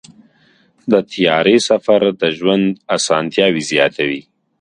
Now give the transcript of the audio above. د طیارې سفر د ژوند اسانتیاوې زیاتوي.